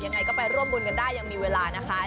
ยังไงก็ไปร่วมบุญกันได้ยังมีเวลานะคะ